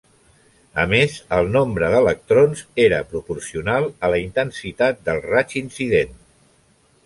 A més, el nombre d'electrons era proporcional a la intensitat del raig incident.